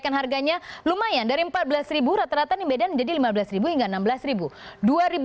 kenaikan harganya lumayan dari rp empat belas rata rata di medan menjadi lima belas hingga rp enam belas